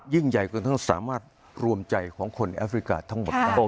ยิ่งใหญ่จนทั้งสามารถรวมใจของคนแอฟริกาทั้งหมดได้